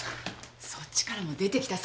そっちからも出てきた？